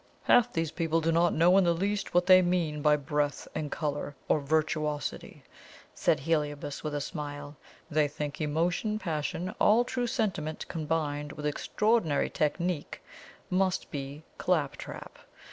"Half these people do not know in the least what they mean by 'breadth and colour' or 'virtuosity,'" said Heliobas, with a smile. "They think emotion, passion, all true sentiment combined with extraordinary TECHNIQUE, must be 'clap trap.'